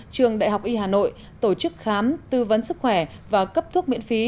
trường đại học y hà nội tổ chức khám tư vấn sức khỏe và cấp thuốc miễn phí